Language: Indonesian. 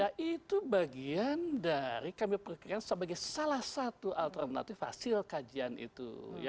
ya itu bagian dari kami perkirakan sebagai salah satu alternatif hasil kajian itu